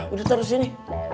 udah terus ini